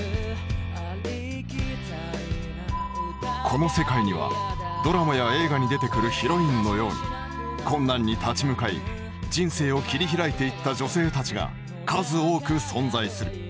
この世界にはドラマや映画に出てくるヒロインのように困難に立ち向かい人生を切り開いていった女性たちが数多く存在する。